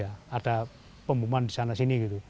ada pemboman di sana sini gitu